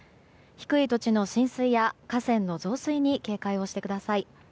低い土地の浸水や河川の増水に警戒をしてください。